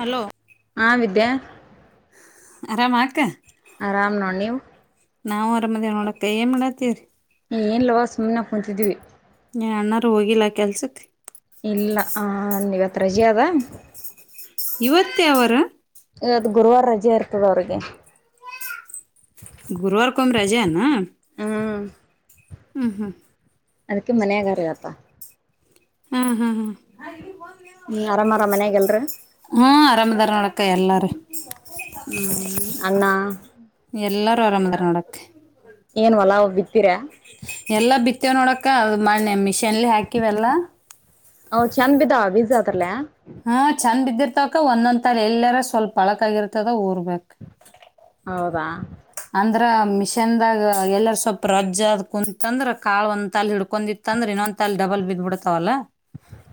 Hello ಹ ವಿದ್ಯಾ ಆರಾಮಾಕ್ಕ ಆರಾಮ್ ನೋಡ್ ನೀವು ನಾವು ಆರಾಮದೇ ನೋಳಕೈ ಏ ಮಾಡಾತ್ತೀವ್ರಿ ಏನ್ ಲವ ಸುಮ್ಮ್ನೆ ಕುಂತಿದೀವಿ ಏನ್ ಅಣ್ಣಾರ ಹೋಗಿಲ್ಲಾ ಕೆಲ್ಸಕ್ ಇಲ್ಲ ಹ ನೀವ್ ಹತ್ ರಜೆ ಅದ ಇವತ್ತೇ ಅವರ ಆದ್ ಗುರುವಾರ ರಜೆ ಇರ್ತದ ಅವ್ರಿಗೆ ಗುರ್ವರ ಕೊಮ್ ರಜೆ ಏನ ಹಾ ಹ್ಮ್ ಹ್ಮ್ ಅದಕ್ಕೆ ಮನೆಯಾಗರ ಇವತ್ತಾ ಹ್ಮ ಹ್ಮ್ ಹ ಹ್ಮ್ ಆರಾಮಾರ ಮನ್ಯಾಗಲ್ರ ಹ್ಮ ಆರಾಮದಾರ ನೋಡಕ್ಕ ಎಲ್ಲಾರು [unintelligible] ಹ್ಮ್ ಅಣ್ಣ ರು ಆರಾಮದರ ನೋಡತಿ ಏನ್ ಹೊಲ ಬಿತ್ತೀರಾ ಎಲ್ಲಾ ಬಿತ್ತೇವ್ ನೋಡಕ್ಕ ಅದ್ ಮಾಡನೆ ಮಿಷನ್ಲಿ ಹಾಕಿವಿವೆಲ್ಲಾ ಅವ್ ಚೆಂದ್ ಬಿದವ್ ಬೀಜ ಅದ್ರಲ್ಲೇ ಹಾ ಚಂದ್ ಬಿದ್ದೇರ್ ಕ ಒಂದೊಂದ್ ತಲೆ ಎಲ್ಲಾರ ಸ್ವಲ್ಪ ಅಳಕಾಗಿರ್ತದ ಊರ್ಬೇಕ್ ಹೌದಾ ಅಂದ್ರ ಮಿಷನ್ದಾಗ ಎಲ್ಲಾರ ಸ್ವಲ್ಪ ರಜ್ಜ ಅ ಆದ್ ಕುಂತಂದ್ರ ಕಾಳ ಒಂದ ತಾಲ ಹಿಡ್ಕೊಂಡಿತ್ತ ಅಂದ್ರ ಇನ್ನೊ ತಾಲ ಡಬಲ್ ಬಿದ್ ಬಿಡ್ತಾವಲ್ಲ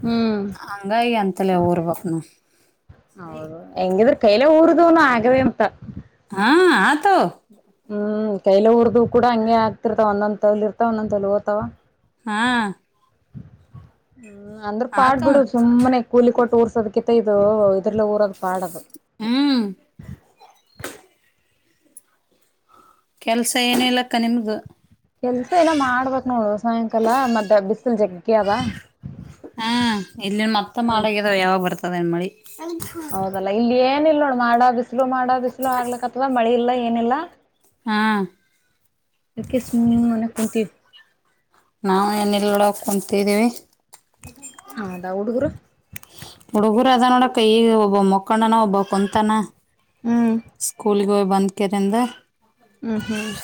ಹ್ಮ್ ಹಂಗಾಗಿ ಎಂತಲ್ಲ ಊರ್ ಬಕ್ನು ಹೌದು ಹೆಂಗಿದ್ರ ಕೈಲೆ ಊರದನು ಆಗೆವೆ ಅಂತ ಹಾ ಹತವ್ ಹ್ಮ್ ಕೈಲ ಊರ್ದು ಕೂಡ ಹಂಗೆ ಆಗ್ತಿರ್ತವಾವ ಒಂದೊಂದ್ ತಲಲಿ ಇರ್ತಾವ ಒಂದೊಂದ ತಲಿ ಓತವ ಹಾ ಹ್ಮ ಅಂದ್ರ ಪಾಡ್ ಆತು ಬಿಡು ಮತ್ ಸುಮ್ಮನೆ ಕೂಲಿ ಕೊಟ್ ಟೂರ್ಸ್ ಅದ್ಕಿಂತ ಇದು ಇದ್ರಲ ಊರದ್ ಪಾಡದು ಹ್ಮ್ ಕೆಲ್ಸ ಏನ್ ಇಲಕ್ಕ ನಿಮ್ದ್ ಕೆಲ್ಸ ಏನ ಮಾಡ್ಬೇಕ್ ನೋಡ ಸಾಯಂಕಾಲ ಮದ ಬಿಸಲ್ ಜಗ್ಗಿ ಅದ ಹ್ಮ ಇಲ್ಲಿನ್ ಮತ್ತ ಮಾಡಳಗಿದಾವ ಯಾವಾಗ ಬರ್ತ್ತ ತದೇನ್ ಮಳಿ ಹೌದಲ್ಲ ಇಲ್ ಎ ಏನಿಲ್ ನೋಡ್ ಮಾಡದ್ ಬಿಸ್ಲು ಮಾಡ ಬಿಸ್ಲು ಆಗ್ಲತ್ತದ ಮಳಿ ಇಲ್ಲ ಎ ಏನಿಲ್ಲ ಹಾ ಅದ್ಕೆ ಸುಮ್ಮನೆ ಕುಂತಿವ ನಾವು ಏನ ಎಲ್ಲಡ ಕುಂತಿದ್ದೀವಿ ಹೌದಾ ಹುಡುಗರು ಹುಡುಗರು ಅದ ನೋಡ ಈಗ ಒಬ್ಬ ಮಕ್ಕೊಂಡನ ಒಬ್ಬ ಬ ಕುಂತಾನ ಹ್ಮ್ ಸ್ಕೂಲ್ ಗೋವ ಬಂದ್ಕಿಂದ ಹ್ಮ ಹ್ಮ್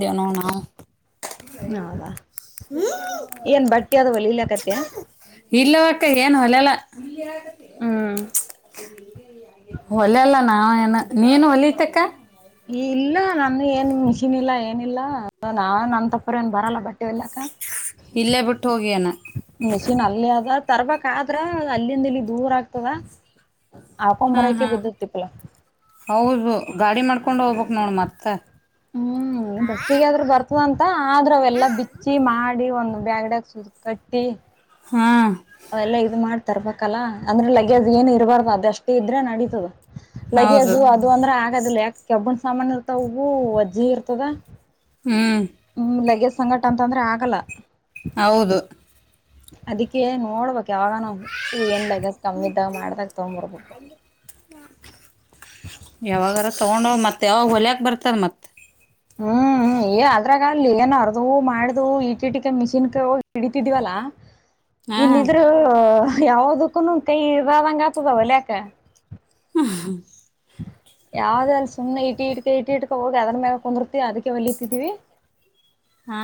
[unintelligible] ಹೌದಾ ಏನ್ ಬಟ್ಟೆ ಅದವ ಒಲಿಲ್ಕತ್ಯ ಇಲ್ಲವಕ್ಕ ಏನ್ ಹೊಲೆಲ್ಲ [inaudible] ಹ್ಮ್ ಒಲ್ಲೆಲ್ಲಾ ನಾ ನೀನು ವಲಿತಕ್ಕ ಇಲ್ಲ ನನ್ ಏನ್ ಮಿಷಿನ್ ಇಲ್ಲ ಏನಿಲ್ಲ ನಾನ್ ನನ್ ತಪ್ಪರ ಏನ್ ಬರಲ್ಲ ಬಟ್ ಲ್ಲ ಇಲ್ಲೇ ಬಿಟ್ಟು ಹೋಗಿಯನ ಮೆಷನ್ ಅಲ್ಲಿ ಅದ ತರ್ಬಕ್ ಆದ್ರ ಅಲ್ಲಿಂದಲ್ಲಿ ದೂರ ಆಗ್ತದ ಹಾಕೊಂಡ್ ಹ್ಮ ಬರಕೆ ಹಾ ಬಿದ್ದತಿಪ್ಪಲ ಹೌದು ಗಾಡಿ ಮಾಡ್ಕೊಂಡ್ ಹೋಗ್ಬೇಕ ನುಡು ಮತ್ತೆ ಹ್ಮ್ ಬಸ್ಸಿಗೆ ಆದರು ಬರ್ತ ಒಂದು ಆದ್ರ ಅವೆಲ್ಲ ಬಿಚ್ಚಿ ಮಾಡಿ ಒಂದ ಬ್ಯಾಗಡೆಗ ಸೂಜಿ ಕಟ್ಟಿ ಹ್ಮ್ ಅವೆಲ್ಲ ಇದು ಮಾಡ್ತರ್ಬೇಕಲ್ಲ ಅಂದ್ರೆ ಲಗೇಜ್ ಏನ್ ಇರಬಾರ್ದು ಅದಷ್ಟೇ ಇದ್ರೆ ನಡೀತದ ಹೌದು ಲಗೇಜು ಅದು ಅಂದ್ರ ಅದಲ್ ಯಾಕೆ ಕೆಬ್ಬಣ ಸಾಮಾನು ಇರ್ತಾವ ಹವು ವಜ್ಜಿ ಇರ್ತದ ಹ್ಮ್ ಹ್ಮ್ ಲಗೇಜ್ ಸಂಕಟ ಅಂತ ಅಂದ್ರೆ ಆಗಲ್ಲ ಹೌದು ಅದಕೇ ನೋಡ್ಬೇಕ ಯಾಗ ನ ಹೂ ಏನ್ ಬಗ ಕಮ್ಮಿದಾಗ ಮಾಡ್ದಾಗ ತಗೊಂಡ್ ಬರ್ಬೇಕು ಯಾವಾಗಾರ ತಗೊಂಡ ಮತ್ತೆ ಯಾವಾಗ ಹೊಲಕ್ ಬರ್ತಾರ ಮತ್ತ ಹ್ಮ್ ಏ ಅದ್ರಾಗಲ್ ಏನ ಅರ್ದು ಮಾಡ್ದ ಇಟಿ ಇಟಿಕ ಮಿಷಿನ್ ಕ ಹೋಗಿ ಹಿಡಿತಿದಿವವಲ್ಲಾ ಹಾ ಇಲ್ಲಿದ್ರು ಯಾವದಕ್ಕೂನು ಕೈರಾವಂಗ ಆತದಾ ವಲಿಯಾಕ [inaudible] ಯಾವ್ದ ಅಲ್ಲಿ ಸುಮ್ಮನೆ ಇಟಿ ಇಟ್ಕ ಇಟಿ ಇಟ್ಕ ಹೋಗಿ ಅದ್ರ ಮೇಲೆ ಕುಂದ್ರ ಅದಕ್ಕೆ ಒಲಿತಿದ್ದೀವಿ ಹಾ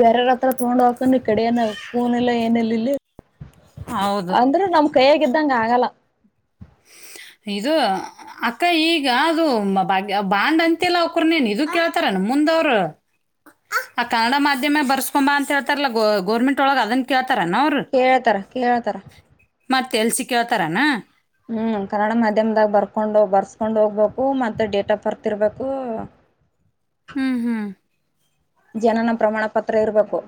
ಬೇರಾರ ಹತ್ರ ತಗೊಂಡ್ ಹಕನ್ ಕಡೆಯನ ಫೋನ್ ಇಲಾ ಏನಿಲ್ಲ ಇಲ್ಲಿ ಹೌದು ಕೈಯಗಿದ್ದಂಗ ಆಗಲ್ಲ ಇದು ಅಕ್ಕ ಈಗ ಅದು ಬ ಬಾಂಡ್ ಅಂತಲ್ಲ ಅವಕ್ರನೇನ್ ಇ ಕೇಳ್ತಾರ ನಮ ಮುಂದ ಅವರು ಆ ಕನ್ನಡ ಮಾಧ್ಯಮ ಬರ್ಸ್ಕೊಂಬಾ ಅಂತ ಹೇಳ್ತಾರಲ್ಲ ಗ ಗೋರ್ಮೆಂಟ್ ಒಳಗ ಅದನ್ ಕೇಳ್ತಾರ್ ಕೇಳ್ತರ ಕೇಳ್ತರ ಮತ್ತೆ ಎಲ್ಸ ಕೇಳ್ತಾರನಾ ಹ್ಮ್ ಕನ್ನಡ ಮಾಧ್ಯಮದಾಗ ಬರ್ಕೊಂಡು ಬರ್ಸ್ಕೊಂಡು ಹೋಗ್ಬೇಕು ಮತ್ತೆ ಡೇಟ್ ಆಫ್ ಬರ್ತ್ ಇರ್ಬೇಕು ಹ್ಮ್ ಹ್ಮ್ ಜನನ ಪ್ರಮಾಣ ಪತ್ರ ಇರ್ಬೇಕು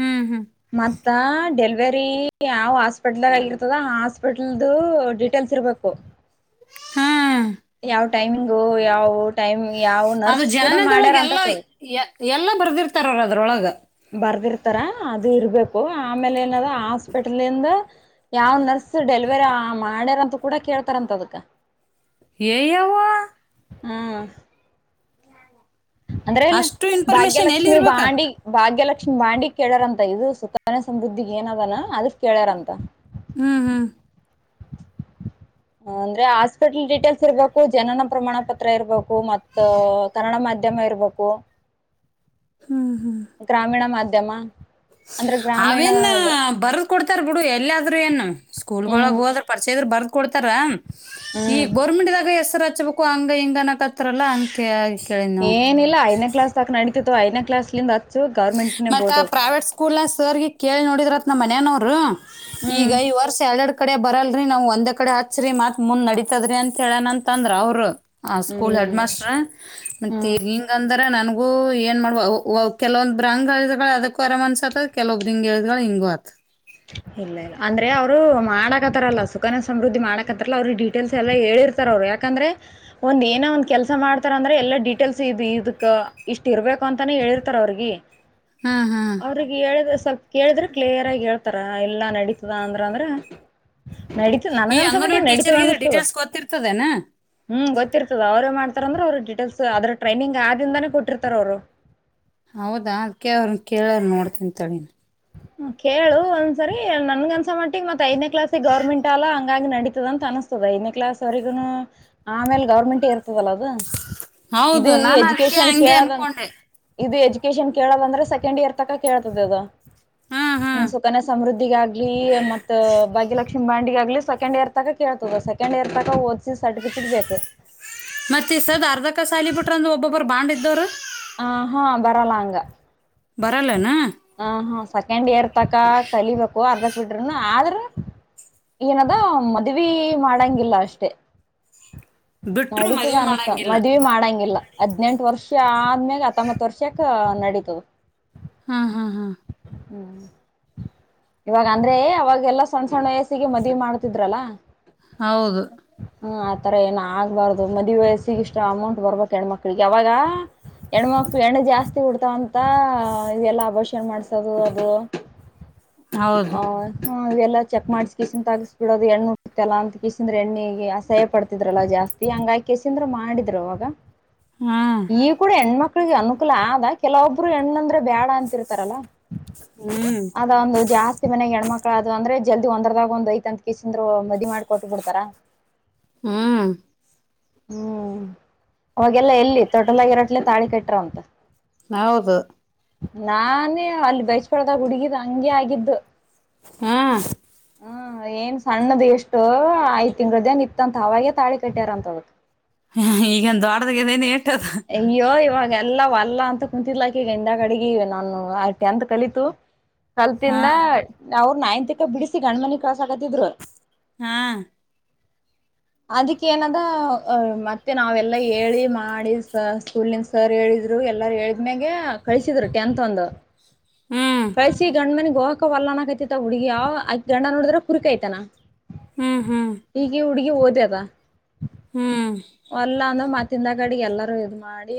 ಹ್ಮ್ ಹ್ಮ್ ಮತ್ತ ಡೆಲ್ ವೆರಿ ಯಾವ್ ಹೊಸೆಪಿಟಲ್ ಆಗಿರ್ತದ ಆ ಹಾಸ್ಪಿಟಲ್ದು ಡೀಟೇಲ್ಸ್ ಇರ್ಬೇಕು ಹ್ಮ್ ಯಾವ್ ಟೈಮಿಂಗು ಯಾವು ಟೈಮ್ ಯಾವ್ ಅದು ನರ್ಸ್ ಕೂಡ ಜನನದೊಳಗ ಮಾಡ್ಯಾರ ಅಂತ ಎಲ್ಲ ಕೊಡ್ ಎ- ಎಲ್ಲ ಬರ್ದಿರ್ತಾರ್ರ ಅದ್ರೊಳಗ ಬರೆದಿರ್ತ್ತಾರೆ ಅದು ಇರಬೇಕು ಆಮೇಲೆ ಏನರ ಹಾಸ್ಪಿಟಲ್ ನಿಂದ ಯಾವ್ ನರ್ಸ್ ಡೆಲಿವರಿ ಮಾಡಿರ್ತರ ಅಂತ ಕೂಡ ಕೇಳ್ತರ ಅಂತೆ ಅದಕ ಯ್ ಯವ್ವ ಹ್ಮ ಅಂದ್ರೆಲ್ಲ ಅಷ್ಟು ಇನ್ಫಾರ್ಮೇಶನ್ ಎಲ್ಲಿ ಭಾಗ್ಯಲಕ್ಷ್ಮಿ ಇರ್ಬೇಕ ಬಾಂಡ್ಗ್ ಭಾಗ್ಯಲಕ್ಷ್ಮ ಬಾಂಡ್ ಗೆ ಕೇಳ್ಯಾರಂತ ಇದು ಸುಖ ನ್ಯ ಸಮೃದ್ಧಿಗೆ ಏನ ಅದನ ಅದಕ್ ಕೇಳ್ಯಾರಂತ ಹ್ಮ್ ಹ್ಮ್ ಅಂದ್ರೆ ಹಾಸ್ಪಿಟಲ್ ಡೀಟೇಲ್ಸ್ ಇರ್ಬೇಕು ಜನನ ಪ್ರಮಾಣ ಪತ್ರ ಇರ್ಬೇಕು ಮತ್ತ ಕನ್ನಡ ಮಾಧ್ಯಮ ಇರ್ಬೇಕು ಗ್ರಾಮೀಣ ಮಾಧ್ ಧ್ಯಮ ಅವೇನ್ ಬರ್ದ್ ಕೊಡ್ತಾರ್ ಬಿಡು ಎಲ್ಲಾದ್ರೂ ಏನು ಸ್ಕೂಲ್ ಹ್ಮ್ ಒಳಗ್ ಹೋದ್ರ ಪರಿಚಯ ಇದ್ರೆ ಬರ್ದ್ ಕೊಡ್ ಕೊಡ್ತಾರ ಹ್ಮ್ ಈಗ್ ಗವರ್ನಮೆಂಟ್ದಗೆ ಹೆಸ್ರ ಹಚ್ಬೇಕು ಹಂಗ ಹಿಂಗನಕತ್ರಲ್ಲ ಅದಕ್ಕೆ ಶ್ ಏನಿಲ್ಲ ಐದನೇ ಕ್ಲಾಸ್ ತಕ್ ನಡಿತೆತ್ ಐದನೇ ಕ್ಲಾಸಿಂದ ಹಚ್ಚ ಮತ್ತ ಆ ಪ್ರೈವೇಟ್ ಸ್ಕೂಲ್ ಸರ್ ಕೇಳಿ ನೋಡಿದ್ರತ್ ನಮ್ಮ ಮನೆನವ್ರು ಈಗ ಹ್ಮ್ ಈ ವರ್ಷ ಎಡ್ ಎಡ್ ಕಡೆ ಬರಲ್ರರಿ ನಾವವು ಒಂದೇ ಕಡೆ ಹಚ್ಚ್ರರಿ ಮತ್ ಮುಂದ್ ನಡಿತತದ್ರಿ ಅಂತ ಹೇಳನ ಅಂತ ಅಂದ್ರ ಅವರು ಹ ಸ್ಕೂಲ್ ಹೆಡ್ ಹ್ಮ್ ಮಾಸ್ಟರ್ ಮತ್ತ ಹ್ಮ್ ಹಿಂಗ ಅಂದ್ರ ನನ್ ಏನ್ ಮಾಡುವ ಕೆಲವೊಂದು ಬ್ರಂಗಳಿದಗಳು ಅದಕ್ಕೂ ಅರಾಮ ಅನ್ಸತ್ತತ್ ಕೆಲೊಬ್ರಿಂಗ್ಳಿದ್ಗಳು ಹಿಂಗತ್ ಇಲ್ಲ ಇಲ್ಲ ಅಂದ್ರೆ ಅವ್ರು ಮಾಡಕತಾರಲ್ಲ ಸುಖನ ಸಮೃದ್ಧಿ ಮಾಡಕತ್ತಲ್ಲ ಅವ್ರಿಗೆ ಡೀಟೇಲ್ಸ್ ಎಲ್ಲಾ ಹೇಳಿರ್ತಾರ ಅವ್ರು ಯಾಕಂದ್ರೆ ಒಂದ್ ಏನೋ ಒಂದ್ ಕೆಲ್ಸ ಮಾಡ್ತಾರ ಅಂದ್ರೆ ಎಲ್ಲಾ ಡೀಟೇಲ್ಸ್ ಇ ಇದಕ್ ಇಷ್ಟ ಇರ್ಬೇಕು ಅಂತಾನೆ ಹೇಳಿರ್ತಾರ ಅವ್ರಗೆ ಹ್ಮ್ ಹ್ಮ್ ಅವರಿಗೆ ಹೇಳಿದ ಸರ್ ಕೇಳಿದರೆ ಕ್ಲಿಯರ್ ಹಾಗೆ ಹೇಳು ತರ ಎಲ್ಲಾ ನಡೀತದ ಅಂದ್ರ ಅಂದ್ರ ನಡತದ ಈ ನನಗೆ ಅನಿಸಿದ ಅಂಗನವಾಡಿ ಮಟ್ಟಿಗೆ ನಡೀತಾದ ಟೀಚರ್ಗೆ ಅನಿಸ್ತದ ಡೀಟೇಲ್ಸ್ ಗೊತ್ತಿರ್ತದೇನ ಗೊತ್ತಿರ್ತದ ಅವರೇ ಮಾಡಿಸ್ತಾರೆ ಗೊತ್ತಿರುತ್ತದೆ ಅವ್ರರು ಡಿಟೇಲ್ಸ್ ಅದ್ರ ಟ್ರೈನಿಂಗ್ ಆದಿಂದಾನೇ ಕೊಟ್ಟಿರ್ತಾರ ಅವ್ರು ಹೌದಾ ಅದ್ಕ್ಕೆ ಅವ್ರನ್ನ ಕೇಳರು ನೋಡಿತೀನಿ ತಡಿ ಹ ಕೇಳು ಒಂದ್ಸರಿ ನನ್ಗ ಅನ್ಸ ಮಟ್ಟಿ ಮತ್ ಐದನೇ ಕ್ಲಾಸಿಗೆ ಗವರ್ಮೆಂಟ್ ಅಲ್ಲ ಹಂಗಂಗ ನಡೀತದ ಅಂತ ಅನಿಸಸ್ತದ ಐದನೇ ಕ್ಲಾಸ್ ವರೆಗೂನು ಆಮೇಲೆ ಗವರ್ಮೆಂಟ್ ಇರುತ್ತದೆ ಇತವಲ್ಲ ಅದ ಹೌದು ಇದು ನಾನು ಅದಕ್ಕೆ ಎಜುಕೇಶನ್ ಹಂಗೆ ಕೇಳದಂತ ಅನ್ಕೊಂಡೆ ಇದು ಎಜುಕೇಶನ್ ಕೇಳೋದಂದ್ರೆ ಸೆಕೆಂಡ್ ಇಯರ್ ತಕ ಕೇಳ್ತದ ಅದು ಹ್ಮ್ ಹ್ಮ್ ಸುಕನ ಸಮೃದ್ಧಿಗ ಆಗ್ಲಿ ಮತ್ತ ಭಾಗ್ಯಲಕ್ಷ್ಮಿ ಬಾಂಡಗ ಆಾಗಗ್ಲಿ ಇ ಸೆಕೆಂಡ್ ಇಯರ್ ತ ಕೇಳ್ತದ ಸೆಕೆಂಡ್ ಇಯರ್ ತ ಓದಸಿ ಸರ್ಟಫಿಕೇಟ್ ಬೇಕು ಮತ್ತೆ ಸದ ಅರ್ಧ ಕ ಸಾಲ ಬಿಟ್ರ ಅಂದ ಒಬೊಬ್ರು ಬಾಂಡ್ ದರ ಹ ಹಾ ಬರಲ್ಲ ಹಂಗ ಬರಲ್ಲನ ಹ ಹಾ ಸೆಕೆಂಡ್ ಇಯರ್ ತಕ ಕಲಿಬೇಕು ಅರ್ಧ ಫಿಟ್ರನು ಆದ್ರ ಏನದ ಮದುವಿ ಮಾಡಂಗಿಲ್ಲ ಅಷ್ಟೆ ಬಿಟ್ರು ನಡೀತದ ಮದ್ವಿ ಅನ್ಸ್ತ ಮಾಡಂಗಿಲ್ಲ ಮದ್ವಿ ಮಾಡಂಗಿಲ್ಲ ಹದ್ನೆಂಟು ವರ್ಷ ಒ ಮ್ಯಾಗ ಹತ್ತೊಂಬ ವರ್ಷಕ್ಕೆ ನಡೀತವೆ ಹಾ ಹಾ ಹಾ ಹ್ಮ್ ಇವಾಗ ಅಂದ್ರೆ ಅವಾಗೆಲ್ಲಾ ಸಣ್ಣ ಸಣ್ಣ ವಯಸ್ಸೀ ಗೆ ಮದವೆ ಮಾಡ್ತಿದ್ರಲ್ಲ ಹೌದು ತರ ಏನ ಆಗ್ಬಾರ್ದು ಮದುವ ವಯಸ್ಸಗಿಷ್ಟ ಅಮೌಂಟ್ ಬರ್ಬೇಕು ಹೆಣ್ಮಕ್ಕಳಿಗೂ ಅವಾಗ ಹೆಣ್ಮಕ್ಳ ಹೆಣ್ಣ ಜಾಸ್ತಿ ಉಡ್ತಾವಂತ ಇವೆಲ್ಲ ಮಾಡಿಸೋದು ಅದು ಹೌದು ಹ್ ಇವೆಲ್ಲ ಚೆಕ್ ಮಾಡಸಿ ಕಿಸನ್ ತಾಗಸ್ ಬಿಡೋದು ಹೆಣ್ಣು ಹುಟ್ಟಿತಲ್ಲ ಅಂತ ಕಿಸಿಂದ್ರ ಎಣ್ಣಿಗೆ ಅಸಹಾಯ ಪಡ್ತಿದ್ರಲ್ಲ ಜಾಸ್ತಿ ಹಂಗಾಗಿ ಕಿಸಿಂದ್ರ ಮಾಡಿದ್ರು ಅವವಾಗ ಹ್ಮ್ ಈ ಕೂಡ ಹೆಣ್ಮಕ್ ಅನುಕೂಲ ಆದ ಕೆಲವೊಬ್ರು ಹೆಣ್ಣಂದ್ರೆ ಬೇಡ ಲ್ಲ ಹ್ಮ್ ಅದ ಒಂದು ಜಾಸ್ತಿ ಮನ್ಯಾ ಗ ಹೆಣ್ಮಕ್ಳ ಅದು ಅಂದ್ರೆ ಜಲ್ದಿ ಒಂದ್ರದಾಗ ಒಂದು ಐತ ಅಂತ ಕಸಂದರು ಮದಿವಿ ಮಾಡ್ಕ ಕೊಟ್ಟು ಬಿಡ್ತಾರ ಹ್ಮ್ ಹ್ಮ್ ಅವಾಗೆಲ್ಲ ಎಲ್ಲಿ ತೊಟ್ಟಲಾಗಿರತ್ತಲೇ ತಾಳಿ ಕಟ್ರ ಅಂತ ಹೌದು ನಾನೇ ಅಲ್ಲಿ ಭೈಚಬಲದಗ ಹುಡುಗಿದ ಹಂಗೆ ಆಗಿದ್ದು ಹಾ ಹ್ಮ ಏನ್ ಸಣ್ಣದ ಎಷ್ಟು ಐ ತಿಂಗ್ಳ್ದೇನ್ ಇತ್ತಂತ ಅವಾಗೆ ತಾಳಿ ಕಟ್ಟ್ಯಾರ ಅಂತ ಈಗೇನ್ ದೊಡ್ದಾಗಿದೆನ್ ಯೇಟ್ ಅಯ್ಯೋ ಇವಾಗ್ ಎಲ್ಲ ವಲ್ಲ ಅಂತ ಕುಂತಿದ್ಲಾಕಿ ಹಿಂದ ಗಡಗಿ ನಾನು ಟೆಂತ್ ಕಲಿತು ಹಾ ಕಲ್ತಿಂದ ಅವ್ರು ನೈನ್ತ್ಕೆ ಬಿಡಿಸಿ ಗಂಡ ಮನಿ ಕಳ್ಸ ಕತಿದ್ರು ಹಾ ಅದಕ್ಕೆ ಏನದ ಮತ್ತೆ ನಾವೆಲ್ಲಾ ಹೇಳಿ ಮಾಡಿ ಸ್ಕೂಲ್ಂದ ಸರ್ ಹೇಳಿದ್ರು ಎಲ್ಲಾರ ಹೇಳಿದ್ಮ್ಯಾಗ ಕಳಿಸಿದ್ರು ಟೆಂತ್ ಒಂದ್ ಹ್ಮ್ ಕಳಿಸಿ ಗಣ್ಮನ್ ಹೋಗಕ ವಲ್ಲನಕತಿತ ಅವ್ ಹುಡುಗಿ ಅವ್ ಗಂಡ ನೋಡದ್ರೆ ಕುರಿ ಕೈತನ ಹ್ಮ್ ಹ್ಮ್ ಈಗಿ ಉ ಹುಡುಗಿ ಓದ್ಯಾದ ಹ್ಮ್ ವರ್ಲ್ಲ ಅಂದ ಮತ್ ತಿಂದ ಕಾಡಿಗೆ ಎಲ್ಲಾರೂ ಇದ್ ಮಾಡಿ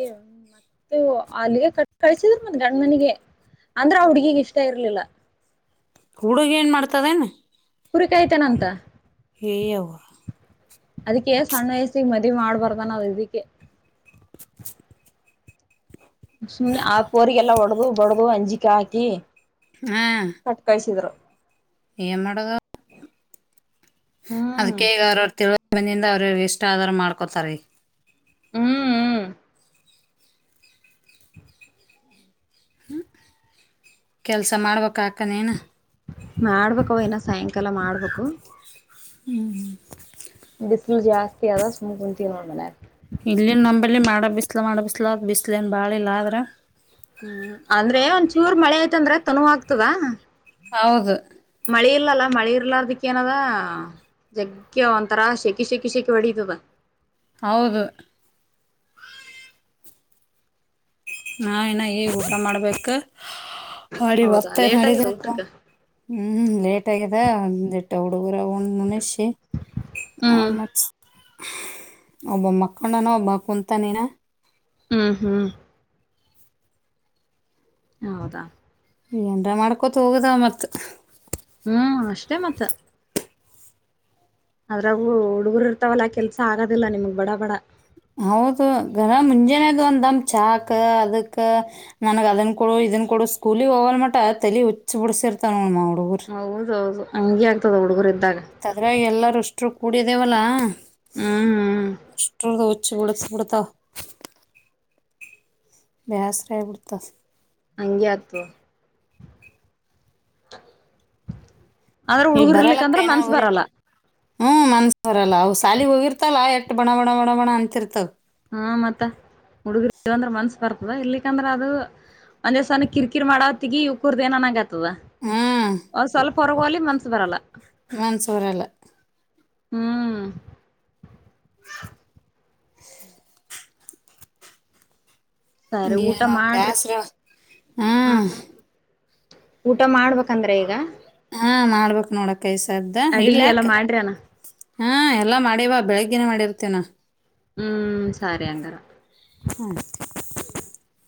ಮತ್ತ ಅಲ್ಲಿಗೆ ಕಟ್ಟಿ ಕಳ್ಸಿದ್ರರು ಮತ್ ಗಂಡ ಮನಿಗೆ ಅಂದ್ರ ಹುಡ್ಗಿಗ್ ಇಷ್ಟ ಇರ್ಲಿಲ್ಲ ಹುಡುಗ ಏನ್ ಮಾಡ್ತದೇನ ಕುರಿಕಾಯ್ತಾನ ಅಂತ ಹೇ ಯವ್ವ ಅದಕ್ಕೆ ಸಣ್ಣ ವಯಸ್ಸ ಮದ್ವಿ ಮಾಡ್ಬಾರ್ದಾನ ಅ ಇದಕ್ಕೆ ಸುಮ್ಮನೆ ಆ ಪೋರಿಗೆಲ್ಲಾ ಹೊಡದು ಬಡ್ದ ಅಂಜಿಕೆ ಹಾಕಿ ಹಾ ಕಟ್ಕೈಸಿದ್ರು ಏನ್ ಮಾಡದು ಹ್ಮ್ ಅದಕ್ಕೆ ಗಾರಡ್ತಿ ಬಂದೀನ್ ಅವ್ರ್ ಅವ್ರ್ ಇಷ್ಟ ಯಾದಾರ ಮಾಡ್ಕೋತಾರೀ ಹ್ಮ್ ಹ್ಮ್ ಕೆಲ್ಸ ಮಾಡ್ಬೇಕ ಆಕ ಏನು ಮಾಡ್ಬೇಕ ಅವ ಇನ ಸಾಯಂಕಾಲ ಮಾಡ್ಬೇಕು ಹ್ಮ್ ಹ್ಮ್ ಬಿಲು ಜಾಸ್ತಿ ಅದ ಸುಮ್ ಕುಂತೀವಿ ನೋಡ್ ಮನ್ಯಾಗ ಇಲ್ಲಿನ್ ನಂಬಲ್ಲಿ ಮಾಡ ಬಿಸ್ಲ ಮಾಡ ಬಿಸ್ಲಾ ಬಿಸ್ಲ ಏನ್ ಬಾಳ ಇಲ್ಲ ಆದ್ರೆ ಚೂರ್ ಮಳೆ ಐತಂದ್ರೆ ತನೋ ಆಗ್ತದ ಹೌದ ಮಳಿ ಇರ್ಲಲ್ಲ ಮಳಿ ಇರ್ಲಾರದಕ್ಕ ಏನದ ಜಗ್ಗೆ ಒಂತರಾ ಶೆಕಿ ಶೆಕಿ ಶೆಕೆ ಹೊಡಿತದ ಹೌದು ನಾ ಇನ್ನ್ ಈಗ್ ಊಟ ಮಾಡ್ಬೇಕು ಹೊಡಿ ಹೌದಾ ಒತ್ತಾಯ್ತು ಲೇಟ್ ಆಗ್ಯದ ಮಾಡ ಊಟಕ್ಕ ಹ್ಮ್ ಲೇಟ್ ಆಗೈ ಅ ಅಂದಿಟ್ ಹೌಡು ಅವ್ರ ಒಂದ್ ಮನಷಿ ಅ ಹ್ಮ್ ಮತ್ಸ್ ಒಬ್ಬೊಬ್ ಮಕ್ಕಂಡನ ಒಬ್ಬ ಕುಂತಾನಿನ ಹ್ಮ್ ಹ್ಮ್ ಹೌದಾ ಎನ್ರ ಮಾಡ್ಕೊತ ಹೋಗದ ಮತ್ ಹ್ಮ್ ಅಷ್ಟೇ ಮತ್ತ ಅದ್ರಾಗೂ ಹುಡುಗರು ಇರ್ತಾವಲ್ಲಾ ಕೆಲ್ಸ ಆಗೋದಿಲ್ಲ ನಿಮಗ್ ಬಡ ಬಡ ಹೌದು ಗರ ಮುಂಜಾನೇದ್ ಒಂದಮ್ ಚಾಕ ಅದುಕ ನನುಗ್ ಅದುನ್ ಕೊಡು ಇದುನ್ ಕೊಡು ಸ್ಕೂಲಿಗ್ ಹೋಗಲ್ ಮಟ ತಲಿ ಹುಚ್ ಬಿಡ್ಸಿರ್ತಾವ ನಮ್ಮವ್ ಹೌದೌದು ಹಂಗೆ ತ ಹುಡುಗುರ್ ಇದ್ ತದ್ರ ಎಲ್ಲರೂಷ್ ಟ್ರೂ ಕುಡಿದೇವಲ್ಲ ಹ್ಮ್ ಹ್ಮ್ [unintelligible] ಹುಚ್ ಬಿಡುಸ್ ಬಿಡುತ್ತಾವ ಬ್ಯಾಸರಾ ಆಬಿಡ್ತಾದ್ ಹಂಗೆ ಆಗ್ತ್ ವ [inaudible] ಆದ್ರ ಇಲ್ಲಿ ಹುಡ್ಗೂರ್ರ್ಲಿಕ್ ಬರಲ್ಲಕ್ಕ ಅಂದ್ರ ಏನ ಮನ್ಸ ಅವ್ರಿಗೆ ಬರಲ್ಲ ಹ್ಮ್ ಮನ್ಸ್ ಬರಲ್ಲ ಅವು ಸಾಲಿಗ್ ಹೋಗಿರ್ತಲ್ಲ ಎಟ್ ಬಣ ಬಣ ಬಣ ಬಣ ಅಂತಿರ್ತದ್ ಹ ಮತ್ತ ಹುಡುಗುರ್ ಇಲ್ಲ ಅಂದ್ರ ಮನ್ಸ್ ಬರ್ತದ ಇರಲಿಕಂದ್ರ ಅದು ಒಂದ್ ಸಾನೆ ಕಿರ ಕೀರ್ ಮಾಡತ್ತಗಿ ಇವತುರ್ದ್ ಏನ ಆಗ್ಯಾದ್ ತದ ಹ್ಮ್ ಆ ಸ್ವಲ್ಪ್ ಪರವೋಲಿ ಮನಸ ಬರಲ್ಲ ಮನ್ಸ್ ಬರಲ್ಲ. ಹ್ಮ್ ಸರಿ ಊಟ ಏನ ಮಾಡ್ರಿ ಬ್ಯಾಸ್ರ ಹಾ ಹ್ಮ್ ಊಟ ಮಾಡ್ಬೇಕಂದ್ರೆ ಈಗ ಹಾಂ ಮಾಡ್ಬಕ್ ನೋಡಕ್ ಕೈಸಗ್ದ ಅಡಿಗೆ ಎಲ್ಲ ಇಡ್ಲಾಕೆ ಮಾಡ್ರಿ ಅನ ಹಾಂ ಎಲ್ಲಾ ಮಾಡೇವ ಬೆಳಗ್ಗಿನ ಮಾಡಿರ್ತೇನಾ ಹ್ಮ್ ಸರಿ ಅಂಗಾರ [unintelligible]